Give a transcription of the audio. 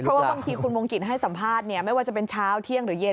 เพราะว่าบางทีคุณวงกิจให้สัมภาษณ์ไม่ว่าจะเป็นเช้าเที่ยงหรือเย็น